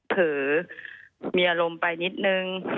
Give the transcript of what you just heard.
ถือมีอารมณ์ไปนิดนึง